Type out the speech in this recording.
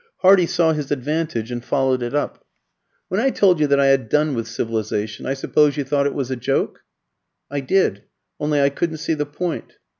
Hardy saw his advantage and followed it up. "When I told you that I had done with civilisation, I suppose you thought it was a joke?" "I did. Only I couldn't see the point."